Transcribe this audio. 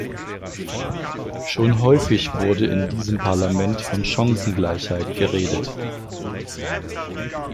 Schon häufig wurde in diesem Parlament von Chancengleichheit geredet.